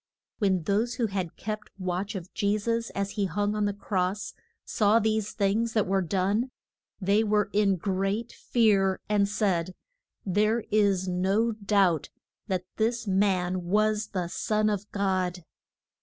When those who had kept watch of Je sus as he hung on the cross, saw these things that were done, they were in great fear, and said, There is no doubt that this man was the son of God.